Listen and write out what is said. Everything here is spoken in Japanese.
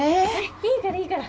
いいからいいから。